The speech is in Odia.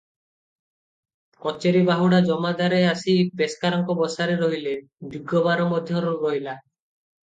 କଚେରି ବାହୁଡ଼ା ଜମାଦାରେ ଆସି ପେସ୍କାରଙ୍କ ବସାରେ ରହିଲେ, ଦିଗବାର ମଧ୍ୟ ରହିଲା ।